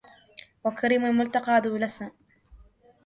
وكريم الملتقى ذو لسن